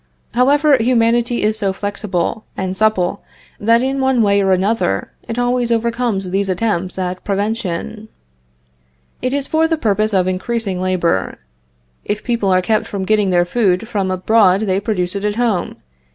However, humanity is so flexible and supple that, in one way or another, it always overcomes these attempts at prevention. It is for the purpose of increasing labor. If people are kept from getting their food from abroad they produce it at home.